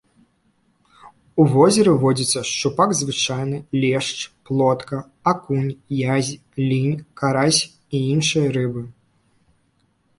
У возеры водзяцца шчупак звычайны, лешч, плотка, акунь, язь, лінь, карась і іншыя рыбы.